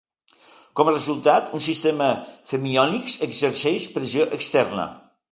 Com a resultat, un sistema fermiònics exerceix pressió externa.